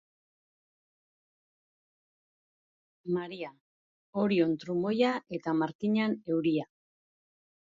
Maria: Orion trumoia eta Markinan euria.